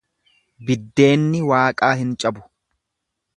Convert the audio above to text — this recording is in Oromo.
Biddeenni Waaqaa hin cabu.